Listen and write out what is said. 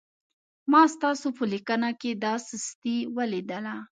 ما ستاسو په لیکنه کې دا سستي ولیدله.